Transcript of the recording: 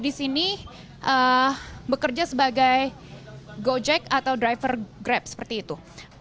disini bekerja sebagai gojek atau driver grab seperti itu